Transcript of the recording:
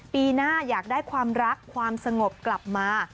ปีหน้าอยากได้ความรักความสงบกลับมา